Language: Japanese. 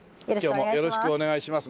よろしくお願いします。